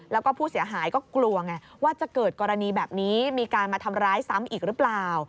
แล้วก็ผู้เสียหายก็กลัวไงว่าจะเกิดกรณีแบบนี้มีการมาทำร้ายซ้ำอีกหรือเปล่า